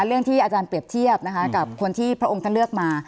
เรื่องที่อาจารย์เปรียบเทียบนะคะกับคนที่พระองค์ท่านเลือกมา